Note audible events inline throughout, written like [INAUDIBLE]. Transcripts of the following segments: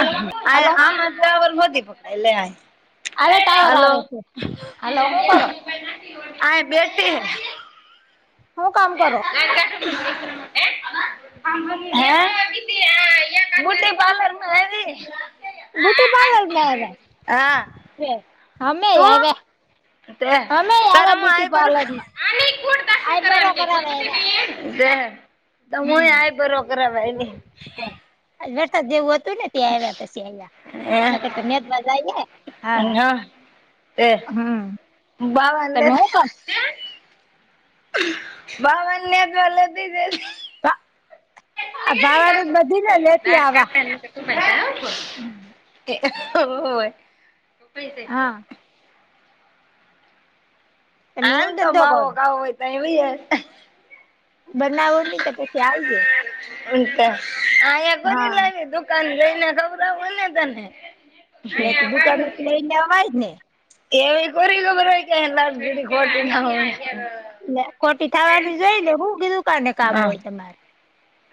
Hello આ hello આમાં તબ ભથી પકડાયે લે. અરે ટાવર હાલો આવે છે હલો હું કરો આય બેઠી. હું કામ કરો? હે બ્યુટી પાર્લરમાં હેવી? બ્યુટી પાર્લરમાં આવે? અમેય આયવા. તું તે તારા માં આય કરું. તે પાર્લર માં આઈબ્રો કરાવે આવ્યા તય હમ આય બરો કરો [UNINTELLIGIBLE] વરસાદ જેવું હતું ને ત્યા આવ્યા પછી આવ્યા. હે [UNINTELLIGIBLE] હા હા તે હમ્મ બાવા હમ્મ. લે તમે હું કામ [UNINTELLIGIBLE] બાવનને તો લેધી જા. આ ભવાડ બધી ને લેતી દાઢ આવા. [INAUDIBLE] હમ્મ. હોવે. હા તમે હાલ હું તો ધંધો માવો કરો કાવો હોય તો અઈ વિઆઇ. બનાવો ની તો પછી આવજે. તો અહીયા હા કોરી લાગે દુકાન જઈને ખબરું ને તને. એટલે તો અહીંયા દુકાન બારણું નેથી છે. લઈ ને આવાય ને. એવી કોરી ખબર હોય કે લગીડી ખોટી ના હોય. ખોટી શીખવાડ્યું થવાની જોઈ કીધું ને હતું. બું બી દુકાને કામ હોય તમારે?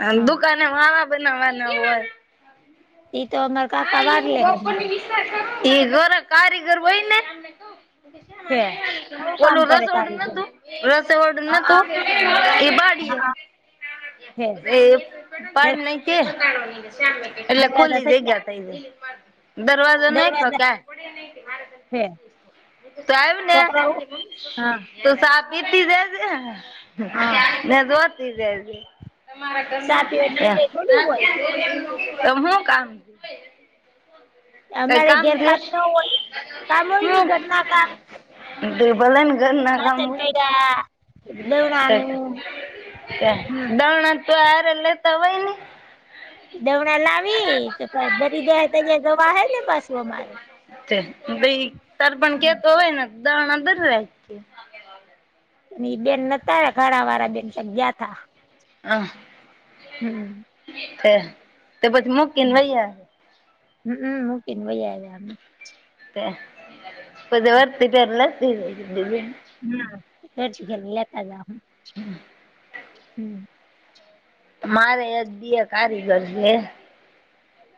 અન હા દુકાને માવા બનાવાના હોય. ઈ તો અમાર કાકા વારલેે હે માં. ઈ ગર કારીગર હોઈને. [INAUDIBLE] હું કામ કરે કારીગરી. રસો વડું નતું ઈ બાડીયુ. છે એ પણ નહી કે એટલે દરવાજા ખુલી થઈ જગ્યા. ગયા દરવાજો નહીં ખ કાય. [INAUDIBLE] હે તો આયુને હા તો સાપ બીતી જાજે. હા ને જોતી જાજે [INAUDIBLE] તમારા ચા ઘરના પીવા એમ. નીવડે થોડી હોય [INAUDIBLE] તો હું કામ હે? અમારે ઘેરકામ ન હોય? કામ હોય ની ઘરના કામ? તે ભલે ને ઘરના કામ વાસણ હોય. કર્યા દવણાનું હમ [INAUDIBLE] દયણા તો હારે લેતા અવાય ને. દવણા લાવી તો પછ દરી દે હે. [INAUDIBLE] પાસું અમારે. તે દરના દરી રાખ. [INAUDIBLE] ને ઈ બેન નતા આયવા. ઘણા વાળા બેન ક્યાંક ગયાતા. અ હમ એ તે પછી મુકી ન વહી આયે. હમ અ મૂકીને વહી આયા અમે. એ પછી વરતી ફેરે લેતી જાજે બેન. હમ વરતી ફેરે લેતા જાહુ. હમ મારે એક દિયર કારીગર છે.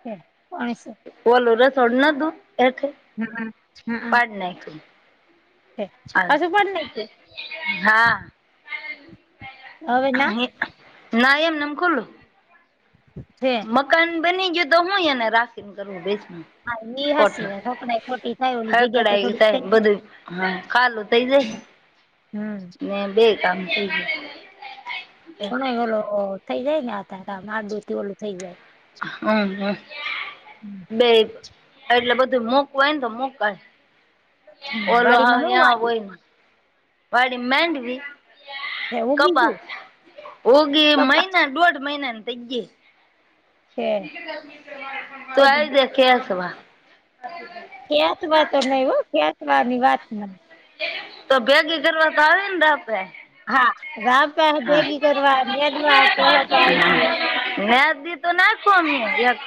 હે કોણી સે. ઓલું રસોડું નતું એક એ હમ અ હમ અ નાયખું સે પાછું બણ નાયખું. હા હવે ના [INAUDIBLE] ના એમ ને એમ ખુલુ. છે મકાન બની ગયું તો હું એને રાખીને કરવું ભેઠવું. ઈ હસી ખોટું વાત હકડાઈ ખોટી થાય ઓલી જગ્યા તો હકડાયું થોડીક સા થઈ જાય બધું હહ ખાલુ થઇ જાય. હમ ને બેય કામ થઈ જાય. અને ઓલો થઈ જાય ને આ તામ આદુથી ઓલો થઈ જાય. હમ હમ હમ બેય એટલે બધું મુકવાય ને તો મોકાય. હમ ઓલો હાવ વાડીમાં હું ન્યા વાડી વહી ને વાડીમાં માંડવી. ઉગી કપા ગયું ઉગી કપાસ મહિના દોઢ મહિના ની થઈ ગી. છે તો આવી રીતે કેશુ હા. ફેંકવા તો નહી હો ખફેકવાની વાત નહીં. તો ભેગી કરવા તો આવે ને જાપે. હા રાપા ભેગી કરવા નેદવા કે હોય તો આવીશ હું. નેદી તો નાખું અમે એક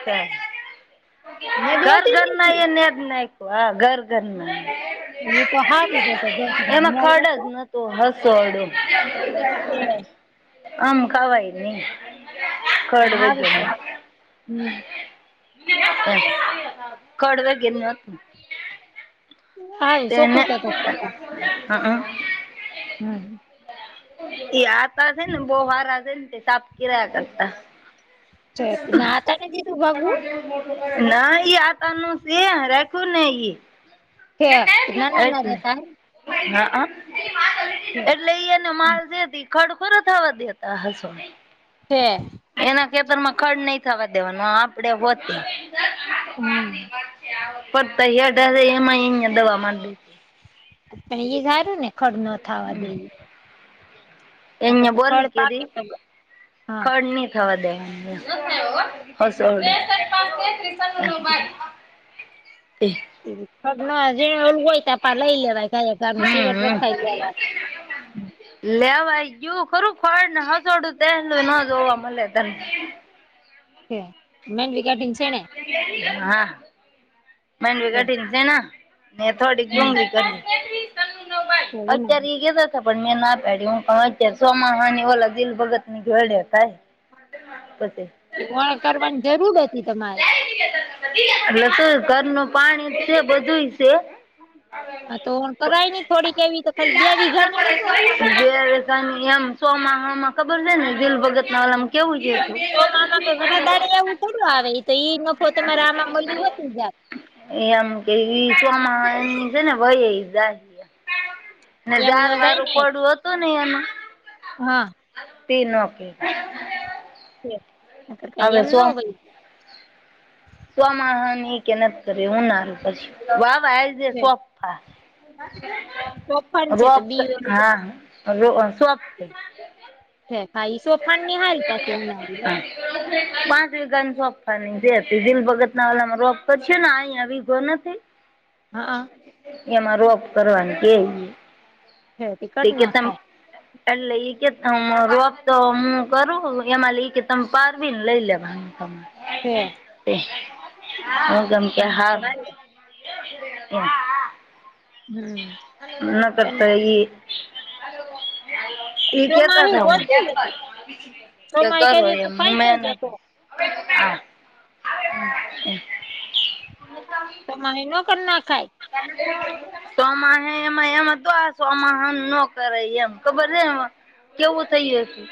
ઘર. નેદવાતી નહી ઘરના એ નેદ નાખ. હા ઘર ઘરના એ ઈ તો હારું તો તો ઘરના નેદે તો. તો [UNINTELLIGIBLE] હમ. આમ ખાવાય નહીં. એ હારું તો હમ [INAUDIBLE] [UNINTELLIGIBLE] હારું તેને ચોખ્ખું તો તો કેતા હમ. હમ. એ આતા છે ને બહું હારા છે ને તે સાપ કિરાયા કરતા. છે ના આતા ને કીધું ભાગવું [INAUDIBLE] ના આતનુ રાખું નહીં. [UNINTELLIGIBLE] હા છે એટલે ઈને માલ જેતી [UNINTELLIGIBLE] થવા દેતા હસો. છે. એના ખેતર માં ખડ નહી થવા દેવાનું આપડે હોતી હમ [UNINTELLIGIBLE] અયા દવા માડી પણ એ સારું ને ખડ ન થાવા દે. એં નકર તો ખડ બોલી પાકે કેરી તો હા ખળની થવા દેવાની હસ [UNINTELLIGIBLE] જે ઓલો હોય તો આપા લઈ લેવાય. ગાયે ગાનું હમ, સીવટ હમ રખાઈ લેવાય લેવાઈ ગયું ખરું ખર ને હ સોડ તેલનું ન જોવા મલે તને. મે વિકેટિંગ છે ને. હા. મડવી ઘટી ન દેના થોડી હમ ડુંગલી કરી. [UNINTELLIGIBLE] એવું પણ મેં ના પાડી હું સોમાહ ની ઓલા દિલ ભગત ની ઘેડ કાય [UNINTELLIGIBLE] એ કરવાની જરૂર હતી તમારે. એટલે તું ઘરનું પાણી જ છે બધું છે. હા, તો કરાઈ નહી થોડીક એવી તો ખાલી બે વીઘા ની [UNINTELLIGIBLE] જે એમ સોમાહમાં ખબર છે ને દિલ ભગત ના વા કેવું કીધું. થડું આવે તો ઈ નફો તમે આમા મલયું હોય એ આમ કે ચોમાસા ની છે ને વયી જાય. ને એમ ન જાર જાય વારું ને પડું હતું ઈ એનું. હા. [UNINTELLIGIBLE] કઈ હવે એમ ન હોય. ચોમાહાન એ કે નથી કરે હું નારું પછી વા વા [UNINTELLIGIBLE] જાય તોફાન છે તો રોફ બી ઓલું હા, [UNINTELLIGIBLE] છે હા, ઈ સોફાની [UNINTELLIGIBLE] પાંચ વિઘા સોખ ખાની દિલ ભગતના ઓલામાં રોપ કરશે ને અહીંયા વીઘો નથી. હા એમાં રોપ કરવાની કે છે તી કર તે કે તમ નાખાય એટલે કે રો હું કરું એમાં લઈ કે તમે પારવી ને લઈ લેવા. છે હું ગમ કે હમ હાર હમ. ના કરતા ચોમાહે ઓછી જ હતી એ ચોમાહે કરીએ તો ફાયદો જ [UNINTELLIGIBLE] હતો [UNINTELLIGIBLE] [INAUDIBLE] તમારે ન કર નાખાય [UNINTELLIGIBLE] કરય એમ ખબર છે કેવું થયું હતું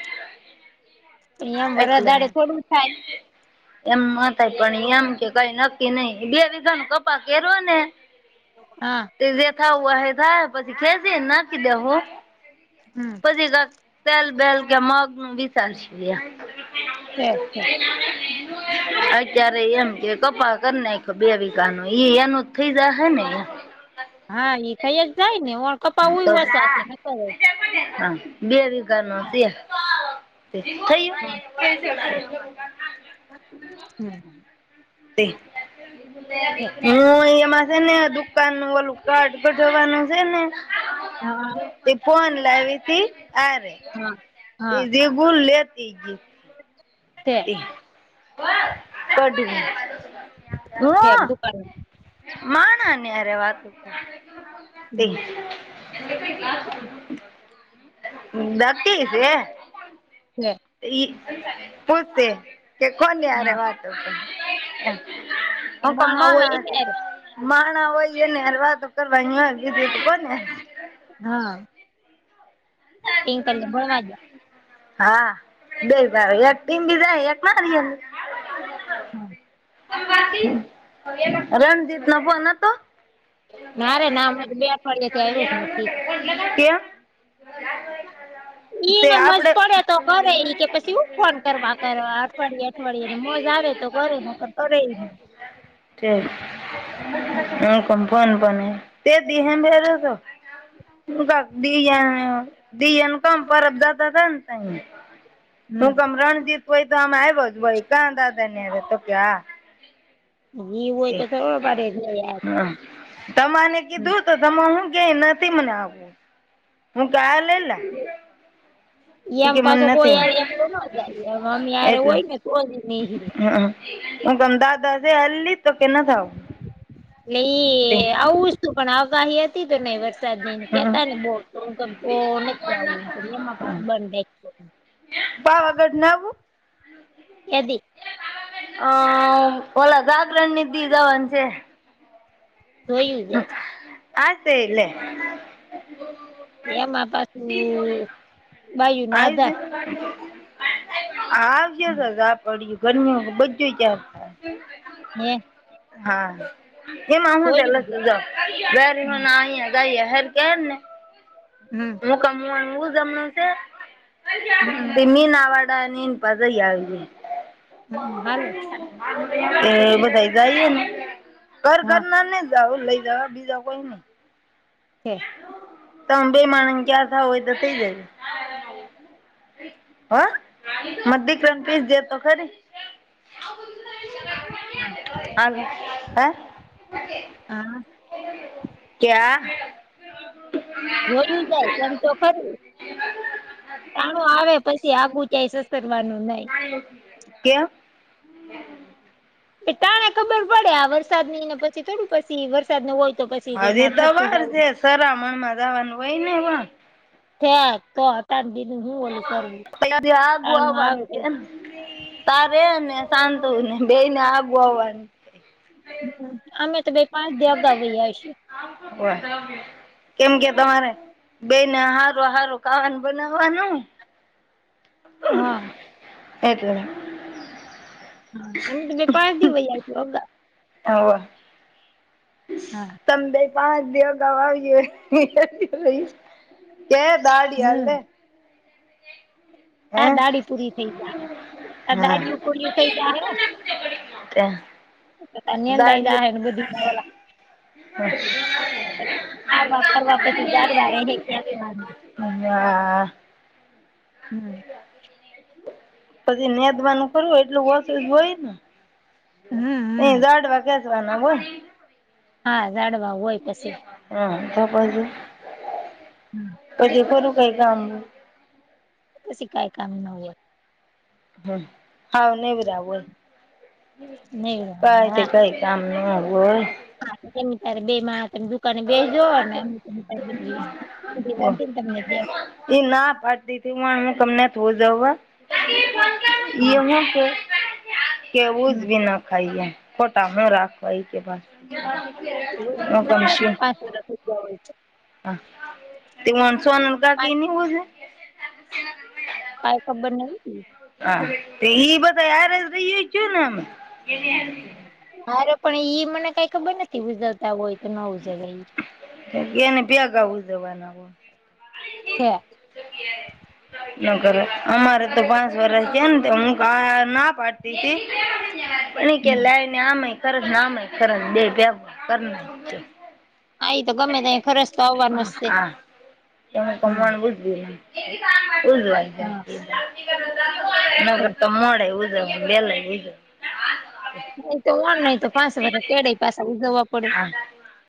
પણ એમ વરસાદ એટલે દાડે થોડું થાય એમ માતાય પણ એમ કે કઈ નક્કી નહી બે [UNINTELLIGIBLE] હા [UNINTELLIGIBLE] [UNINTELLIGIBLE] [INAUDIBLE] હમ છે છે અત્યારે એમ કે [UNINTELLIGIBLE] હને હા એ થઈ જ જાય ને તો હા [UNINTELLIGIBLE] હા [UNINTELLIGIBLE] હમ [INAUDIBLE] છે [UNINTELLIGIBLE] હા હા [UNINTELLIGIBLE] હા [UNINTELLIGIBLE] છે [UNINTELLIGIBLE] [UNINTELLIGIBLE] [UNINTELLIGIBLE] [UNINTELLIGIBLE] [UNINTELLIGIBLE] હા [UNINTELLIGIBLE] એ માણા હોય એને હારે [UNINTELLIGIBLE] હા ટિંકલ ભણવા ગયા [UNINTELLIGIBLE] [UNINTELLIGIBLE] હા [UNINTELLIGIBLE] નારે ના હમણાં તો બે અઠવાડિયાથી આવ્યો જ નથી [INAUDIBLE] [UNINTELLIGIBLE] [UNINTELLIGIBLE] આપડે [UNINTELLIGIBLE] [UNINTELLIGIBLE] [INAUDIBLE] [INAUDIBLE] [UNINTELLIGIBLE] [UNINTELLIGIBLE] હમ [UNINTELLIGIBLE] ઈ હોય તો ખબર પડે જ નઈ યાર [UNINTELLIGIBLE] [UNINTELLIGIBLE] [UNINTELLIGIBLE] એ કે મને નથી એટલે [UNINTELLIGIBLE] [UNINTELLIGIBLE] તે [UNINTELLIGIBLE] હમ [UNINTELLIGIBLE] હમ પાવાગઢ નાવું એદી અ. ઓલા જાગરણ નીધી જવાનું છે. ધયું જ. હશે એલે. એમાં પાછું બાયુ નો આય જ. આધાર આવજ સાજ. ળ ઘર બધું ચ થાય. એ હા એમાં હું ત લ જોયું છે તર મા અયા દહી હેર કહે ને હમ હું કમું હું જમને. હમ તે મીનવાડા અનેન પાછ આવી. હમ હાલો. એ બધા જાયને ઘર હા ઘર નાને. દ ઓ લઈ જવા બીજા કોઈ નઈ. હે. તમે બે માણસ ને ક્યાં થ હોય તો થઇ જાય. હા મ દિક્રમ પીસ જતો તો ખરી. [UNINTELLIGIBLE] હલો હે. હા ક્યા. જોયું જાય એમ તો ખરું. ચાણું આવે પછી આગું ક્યાંય સસરવાનું નહી. એવું. ટાણે ખબર પડે આ વરસાદ ની ને પછી થોડું પછી વરસાદ ન હોય. તો પછી ના હજી ઠરતું તવાર જવું છે સરામણ માં જવાનું હોય ને પણ. છેે તો તાર બીું હું ઓલું પણ તદી આગુ આર. આવવાનું છે તારે ને સાંતુ ને બે ને આગુવાની. અમે તો ભાઈ પાંચ દિવ અઈએ છીએ. બ [UNINTELLIGIBLE] કેમ કે તમારે બેને હારુ હારુ ખાવા નુ બનાવવાનું. હા. એટલે. [UNINTELLIGIBLE] અ પારથી વઈ હોકા. હોવે. હા. તમે બે પાંચ દિવ અગા આવી હો. કે દાડી હમ અલને. આ દાળી પૂરી થઇ જાય આ હા દાળિય પૂરી થઇ જ હ. તને અંદાય હે બુધીના ભ. હમ [UNINTELLIGIBLE] ફરવા ફરવા પછી જાર વા [UNINTELLIGIBLE] રે હે કેચ વાર [UNINTELLIGIBLE] હા હમ. પછી નેદવાનું કરુંય એટલું ઓષધ હોય ને. હમ એ હમ લાડવા કેસવાના હો. હા લાડવા હોય પછી. હમ તો બાજુ પછી ફું કઈ કામ. કછી કઈ કામ ન હોય. હમ. હાવ નેવરા હોય નહી કઈ તે કઈ કામ ન હો હોય. હા ત્યારે બે માં તમે જુ અને બેજો ને એ તને તમને [UNINTELLIGIBLE] એ ના પાડતી તી [INAUDIBLE] કેવુંઝ ભીના ખાઈએ ફોટા હું રાખવા એ કે પાછા રોજ રોજ ના હોય ને પાંચ વાગે હુતા હોય ને પાંચ [UNINTELLIGIBLE] કાઈ ખબર નહિ. હા ઈ બધા હાયરા રહી ને જ્યાં ને અરે પણ ઈ મને કઈ ખબર નથી ગુજરત આવું હોય તો નવું જગ એને કેયા ગાવું જવાના હો. કયા? જગ્યાએ ન કર અમારે તો પાંચ વરષ છે ને હું ક ના પાડતી હતી. એ કે લાય ને આમાંય ખરજને આમાંય ખરજ બે ભી કર નાખજો હા એ તો ગમે ત ખરસ તો આવવાનો જ છે હા તમે હમ કમળ બુજ હા [UNINTELLIGIBLE] ન કર તો મળે [UNINTELLIGIBLE] નહી તો ઓણ નહી તો પાસે બધા ચેડે પાસે ઉજવવા પડે. હા